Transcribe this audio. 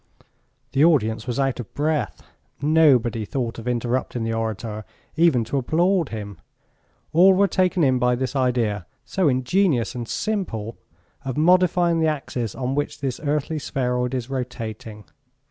The audience was out of breath. Nobody thought of interrupting the orator, even to applaud him. All were taken in by this idea, so ingenious and simple, of modifying the axis on which this earthly spheroid is rotating.